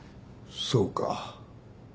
そうか。